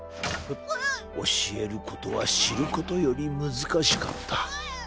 ふっ「教えることは知ることより難しかった。